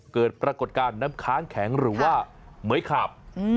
เกิดปรากฏการณ์น้ำค้างแข็งหรือว่าเหมือยขาบ